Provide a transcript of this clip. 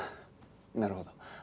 なるほど。